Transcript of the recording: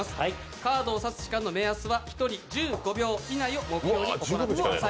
カードを差す時間の目安は１人１５秒を目安に行ってください。